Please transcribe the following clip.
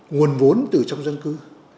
nguồn vốn từ trong dân cư